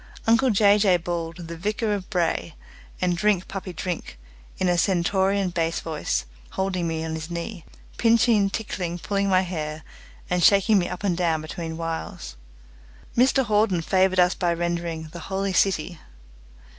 Uncle Jay Jay bawled "The Vicar of Bray" and "Drink, Puppy, Drink" in a stentorian bass voice, holding me on his knee, pinching, tickling, pulling my hair, and shaking me up and down between whiles. Mr Hawden favoured us by rendering "The Holy City".